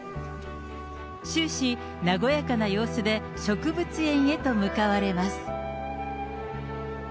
終始、和やかな様子で植物園へと向かわれます。